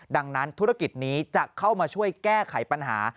ดังนั้นธุรกิจนี้จะเข้ามาช่วยแก้ไขปัญหา